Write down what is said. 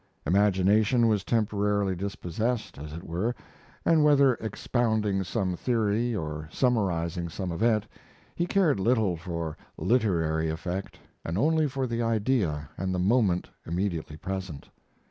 Imagination was temporarily dispossessed, as it were, and, whether expounding some theory or summarizing some event, he cared little for literary effect, and only for the idea and the moment immediately present.